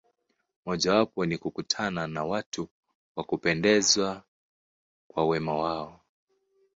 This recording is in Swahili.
Mojawapo ni kukutana na watu wa kupendeza kwa wema wao.